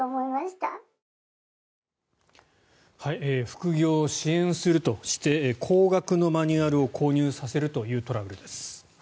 副業を支援するとして高額のマニュアルを購入させるというトラブルです。